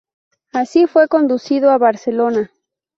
Así fue conducido a Barcelona.